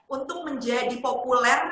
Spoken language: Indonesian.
untuk menjadi populer